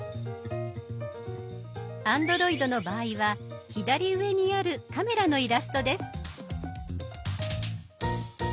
Ａｎｄｒｏｉｄの場合は左上にあるカメラのイラストです。